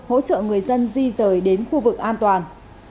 hỗ trợ người dân di rời đến khu vực an toàn